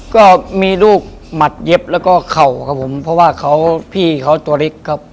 ก็มีลูกหมัดเย็บแล้วก็เข่าครับผมเพราะว่าเขาพี่เขาตัวเล็กครับ